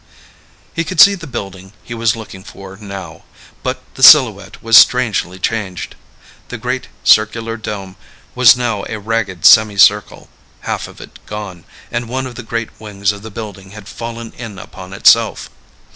He could see the building he was looking for now, but the silhouette was strangely changed. The great circular dome was now a ragged semi circle, half of it gone, and one of the great wings of the building had fallen in upon itself.